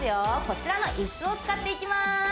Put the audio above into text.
こちらの椅子を使っていきます